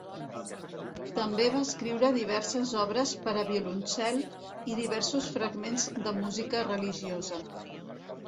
També va escriure diverses obres per a violoncel i diversos fragments de música religiosa.